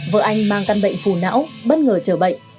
vợ anh mang căn bệnh phù não bất ngờ chở bệnh